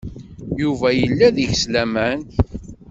Yuba yella deg-s laman.